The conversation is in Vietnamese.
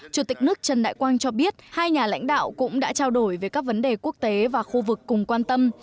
chủ tịch nước trần đại quang cho biết hai nhà lãnh đạo cũng đã trao đổi về các vấn đề quốc tế và khu vực cùng quan tâm